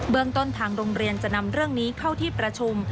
เมืองต้นทางโรงเรียนจะนำเรื่องนี้เข้าที่ประชุม